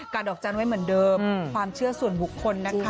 ดอกจันทร์ไว้เหมือนเดิมความเชื่อส่วนบุคคลนะคะ